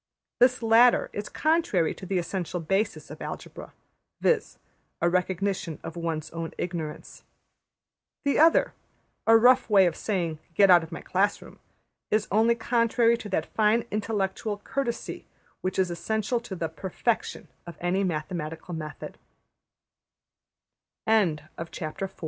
'' This latter is contrary to the essential basis of Algebra, viz., a recognition of one's own ignorance. The other, a rough way of saying ``Get out of my class room,'' is only contrary to that fine intellectual courtesy which is essential to the \emph{perfec